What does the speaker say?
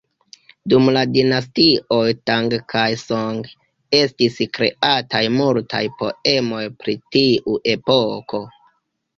Dum la Dinastioj Tang kaj Song, estis kreataj multaj poemoj pri tiu epoko.